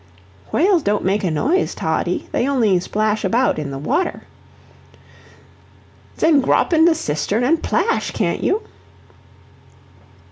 "Whales don't make a noise, Toddie; they only splash about in the water." "Zen grop in the cistern an' 'plash, can't you?"